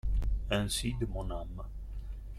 Ainsi de mon âme.